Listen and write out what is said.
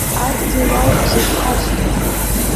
Адгьыл ауп зегь ҳазҭо!